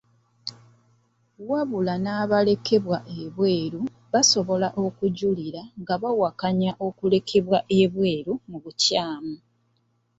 Wabula n'abalekebwa ebweru basobola okujulira nga bawakanya okulekebwa ebweru mu bukyamu.